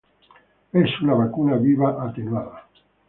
Es una vacuna viva atenuada.